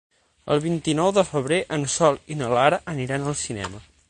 El vint-i-nou de febrer en Sol i na Lara aniran al cinema.